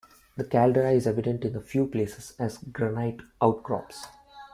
The caldera is evident in a few places as granite outcrops.